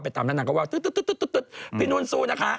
ไปตามท่านหนังก็ว่าตุ๊ดพี่นุ่นสู้นะคะ